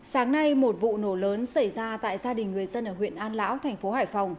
sáng nay một vụ nổ lớn xảy ra tại gia đình người dân ở huyện an lão thành phố hải phòng